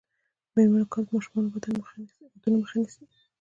د میرمنو کار د ماشوم ودونو مخه نیسي.